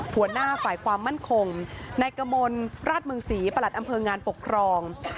หัวหน้าฝ่ายความมั่นคงนายกมลราชเมืองศรีประหลัดอำเภองานปกครอง